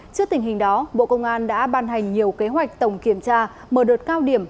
trước tình hình đó bộ công an đã ban hành nhiều kế hoạch tổng kiểm tra mở đợt cao điểm